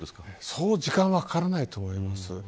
そう時間はかからないと思います。